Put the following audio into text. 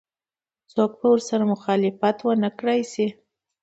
څوک به ورسره مخالفت ونه کړای شي.